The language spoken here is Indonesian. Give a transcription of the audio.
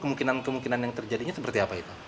kemungkinan kemungkinan yang terjadinya seperti apa itu